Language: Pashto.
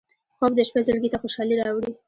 خوب د شپه زړګي ته خوشالي راوړي